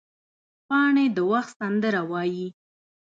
پاڼې د وخت سندره وایي